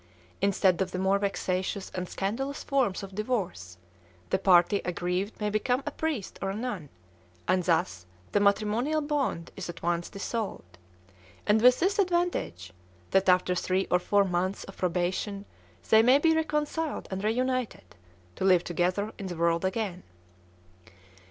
Instead of the more vexatious and scandalous forms of divorce, the party aggrieved may become a priest or a nun, and thus the matrimonial bond is at once dissolved; and with this advantage, that after three or four months of probation they may be reconciled and reunited, to live together in the world again.